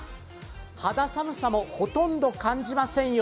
肌寒さもほとんど感じませんよ。